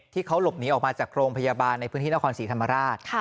ที่เขาหลบหนีออกมาจากโรงพยาบาลในพื้นที่นครศรีธรรมราช